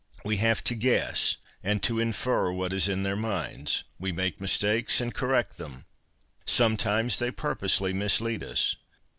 We have to guess and to infer what is in their minds, we make mistakes and correct them ; sometimes they purposely mislead us.